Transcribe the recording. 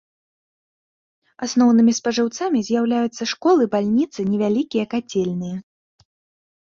Асноўнымі спажыўцамі з'яўляюцца школы, бальніцы, невялікія кацельныя.